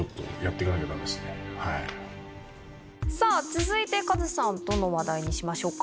続いてカズさんどの話題にしましょうか。